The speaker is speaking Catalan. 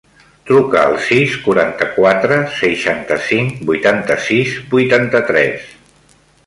Truca al sis, quaranta-quatre, seixanta-cinc, vuitanta-sis, vuitanta-tres.